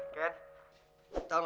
ken tau gak aku tiba tiba